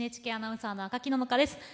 ＮＨＫアナウンサーの赤木野々花です。